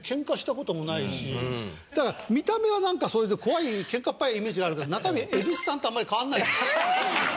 だから見た目はそれで怖いケンカっ早いイメージがあるけど中身蛭子さんとあんまり変わらないから。